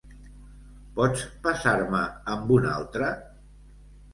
Pots passar-me amb un altre?